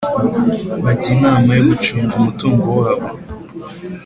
bajya inama yo gucunga umutungo wabo